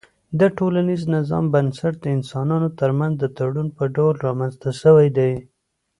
د ټولنيز نظام بنسټ د انسانانو ترمنځ د تړون په ډول رامنځته سوی دی